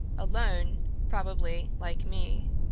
Alone, probably, like me.